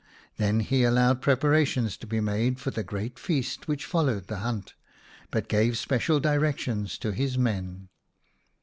Then he allowed preparations to be made for the great feast which followed the hunt, but gave special directions to his men.